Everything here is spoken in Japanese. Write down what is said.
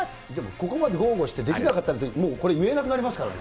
ここまで豪語してできなかったら、もうこれ、言えなくなりますからね。